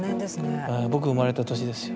ええ僕が生まれた年ですよ。